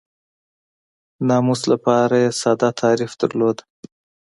ناموس لپاره یې ساده تعریف درلود.